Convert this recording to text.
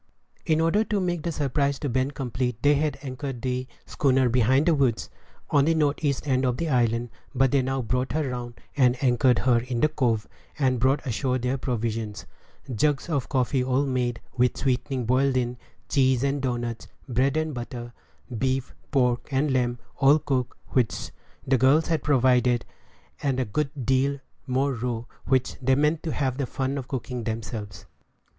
In order to make the surprise to Ben complete, they had anchored the schooner behind the woods, on the north east end of the island; but they now brought her round, and anchored her in the cove, and brought ashore their provisions jugs of coffee all made, with the sweetening boiled in; cheese and doughnuts, bread and butter, beef, pork, and lamb, all cooked, which the girls had provided; and a good deal more raw, which they meant to have the fun of cooking themselves.